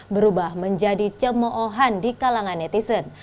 berubah menjadi cemohan di kalangan netizen